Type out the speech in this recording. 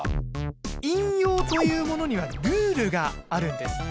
引用というものにはルールがあるんです。